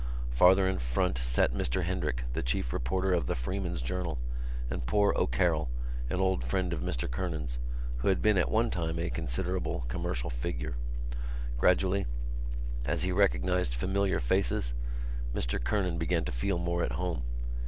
Farther in front sat Mr Hendrick, the chief reporter of The Freeman's Journal, and poor O'Carroll, an old friend of Mr Kernan's, who had been at one time a considerable commercial figure. Gradually, as he recognised familiar faces, Mr Kernan began to feel more at home.